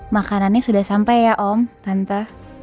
makanannya sudah sampai ya om tante